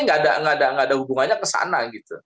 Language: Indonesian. nggak ada hubungannya ke sana gitu